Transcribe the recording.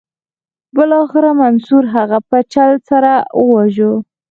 بالاخره منصور هغه په چل سره وواژه.